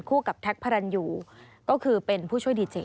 กับแท็กพระรันยูก็คือเป็นผู้ช่วยดีเจ